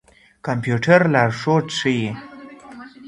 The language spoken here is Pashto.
کمپيوټر لارښود ښيي.